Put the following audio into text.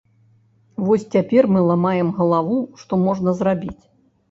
Вось цяпер мы ламаем галаву, што можна зрабіць.